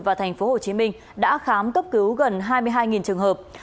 và thành phố hồ chí minh đã khám cấp cứu gần hai mươi hai trường hợp